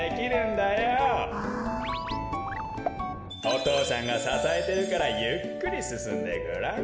お父さんがささえてるからゆっくりすすんでごらん。